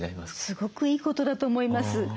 すごくいいことだと思います。